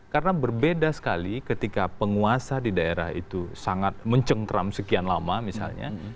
karena berbeda sekali ketika penguasa di daerah itu sangat mencengkram sekian lama misalnya